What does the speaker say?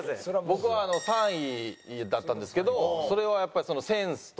僕は３位だったんですけどそれはやっぱりそのセンスと。